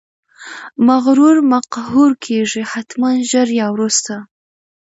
مغرور مقهور کیږي، حتمأ ژر یا وروسته!